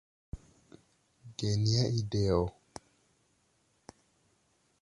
Genia ideo!